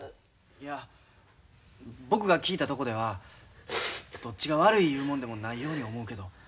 いや僕が聞いたとこではどっちが悪いいうもんでもないように思うけど。